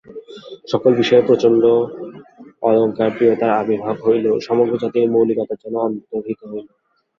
সকল বিষয়েই প্রচণ্ড অলঙ্কারপ্রিয়তার আবির্ভাব হইল, সমগ্র জাতির মৌলিকত্ব যেন অন্তর্হিত হইল।